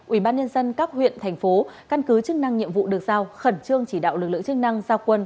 ubnd các huyện thành phố căn cứ chức năng nhiệm vụ được giao khẩn trương chỉ đạo lực lượng chức năng giao quân